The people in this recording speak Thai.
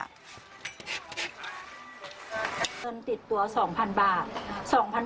เงินติดตัว๒๐๐๐บาท